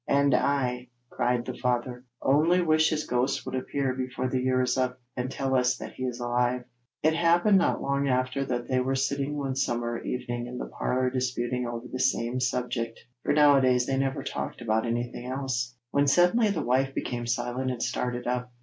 'And I,' cried the father, 'only wish his ghost would appear before the year is up, and tell us that he is alive.' It happened not long after that they were sitting one summer evening in the parlour, disputing over the same subject for nowadays they never talked about anything else when suddenly the wife became silent and started up.